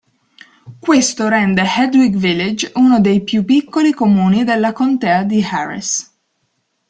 Questo rende Hedwig Village uno dei più piccoli comuni della Contea di Harris.